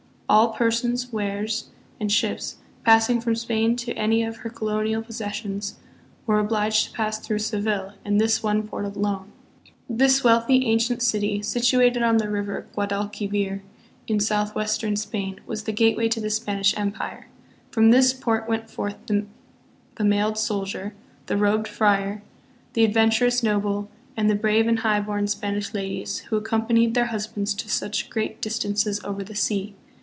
All persons, wares, and ships, passing from Spain to any of her colonial posses sions, were obliged to pass through Seville, and this one port alone. This wealthy ancient city, situated on the river Gua dalquivir in southwestern Spain, was the gateway to the Spanish Empire. From this port went forth the mailed soldier, the robed friar, the adventurous noble, and the brave and highborn Spanish ladies, who accompanied their husbands to such great distances over the sea.